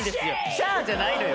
「しゃーっ！」じゃないのよ。